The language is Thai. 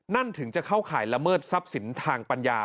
ถึงจะเข้าข่ายละเมิดทรัพย์สินทางปัญญา